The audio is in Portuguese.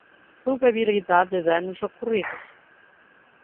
Probabilidade de danos ocorridos.